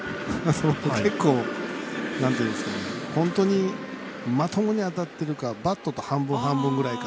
結構本当にまともに当たってるかバットと半分半分ぐらいか。